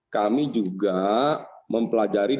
kami juga mempelajarinya